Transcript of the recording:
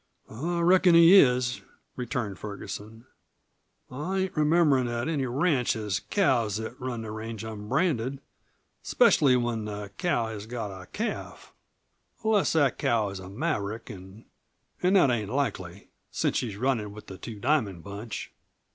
"I reckon he is," returned Ferguson. "I ain't rememberin' that any ranch has cows that run the range unbranded; especially when the cow has got a calf, unless that cow is a maverick, an' that ain't likely, since she's runnin' with the Two Diamond bunch."